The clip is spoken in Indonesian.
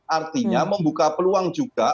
artinya membuka peluang juga